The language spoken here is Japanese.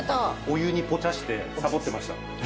お湯にポチャしてサボってました。